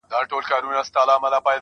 سپوږمۍ خو مياشت كي څو ورځي وي.